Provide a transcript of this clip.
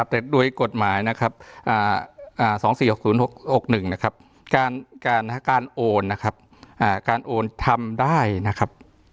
แต่ด้วยกฎหมาย๒๔๖๐๖๑นะครับการโอนทำได้นะครับ